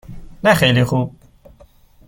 نه خیلی خوب.